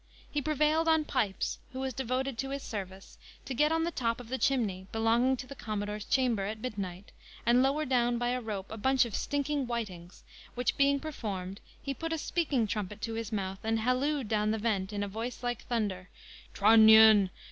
He prevailed on Pipes, who was devoted to his service, to get on the top of the chimney, belonging to the commodore's chamber, at midnight, and lower down by a rope a bunch of stinking whitings, which being performed, he put a speaking trumpet to his mouth, and hallooed down the vent, in a voice like thunder, "Trunnion!